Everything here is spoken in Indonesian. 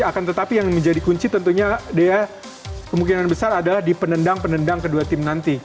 akan tetapi yang menjadi kunci tentunya dea kemungkinan besar adalah di penendang penendang kedua tim nanti